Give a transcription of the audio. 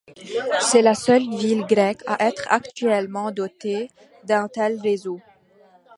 C'est la seule ville grecque à être actuellement dotée d'un tel réseau.